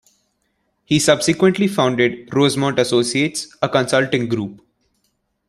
He subsequently founded Rosemont Associates, a consulting group.